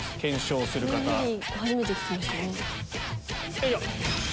よいしょ。